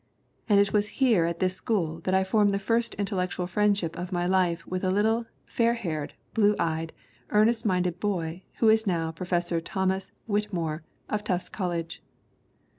And it was here at this school that I formed the first intellectual friendship of my life with a little, fair haired, blue eyed, earnest minded boy who is now Professor Thomas Whittemore, of Tufts College.